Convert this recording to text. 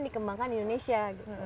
dikembangkan di indonesia